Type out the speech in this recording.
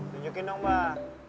tunjukin dong mbah